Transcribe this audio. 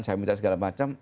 saya minta segala macam